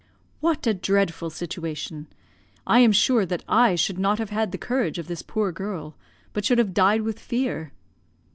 "What a dreadful situation! I am sure that I should not have had the courage of this poor girl, but should have died with fear."